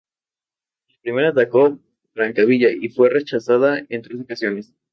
La primera atacó Francavilla y fue rechazada en tres ocasiones.